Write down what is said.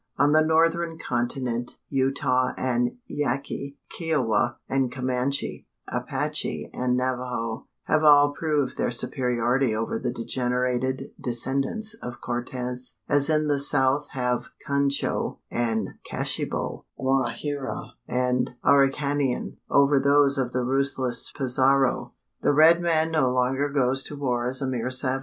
On the northern continent, Utah and Yaqui, Kiowa and Comanche, Apache and Navajo, have all proved their superiority over the degenerated descendants of Cortez: as in the south have Cuncho and Cashibo, Goajira and Auracanian, over those of the ruthless Pizarro. The red man no longer goes to war as a mere savage.